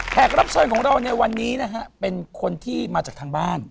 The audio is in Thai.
รับเชิญของเราในวันนี้นะฮะเป็นคนที่มาจากทางบ้าน